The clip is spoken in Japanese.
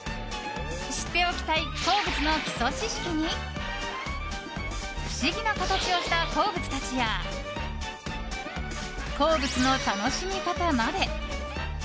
知っておきたい鉱物の基礎知識に不思議な形をした鉱物たちや鉱物の楽しみ方まで。